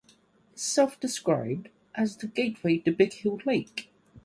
Is self-described as the Gateway to Big Hill Lake.